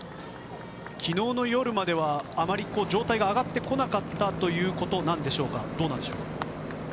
昨日の夜まではあまり状態が上がってこなかったということなんでしょうか。